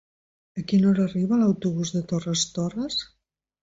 A quina hora arriba l'autobús de Torres Torres?